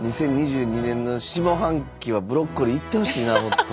２０２２年の下半期はブロッコリーいってほしいなもっと。